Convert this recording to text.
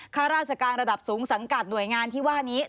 ข้าราชการระดับสูงสังกัดหน่วยงานที่ว่านี้